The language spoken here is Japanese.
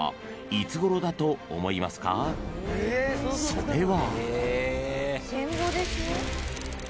［それは］